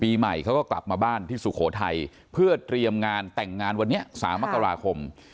ปีใหม่เขาก็กลับมาบ้านที่สุโขทัยเพื่อเตรียมงานแต่งงานวันนี้๓มกราคม